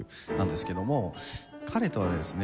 彼とはですね